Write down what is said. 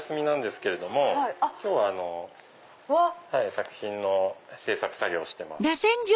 作品の制作作業をしてます。